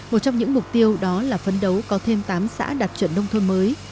một trong những mục tiêu đó là phấn đấu có thêm tám xã đạt chuẩn nông thôn mới